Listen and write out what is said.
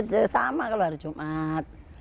buat masjid sama kalau hari jumat